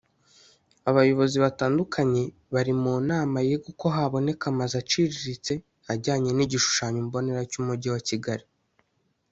Abayobozi batandukanye bari mu nama yiga uko haboneka amazu aciriritse ajyanye n’igishushanyo mbonera cy’Umujyi wa Kigali